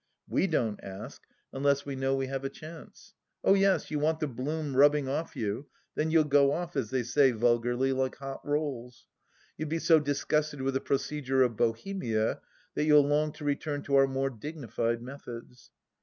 We don't ask unless we know we have a chance. Oh yes, you want the bloom rubbing off you, then you'll go off, as they say vulgarly, like hot rolls ; you'll be so disgusted with the procedure of Bohemia that you'll long to return to our more dignified methods.